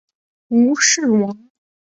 吴氏亡。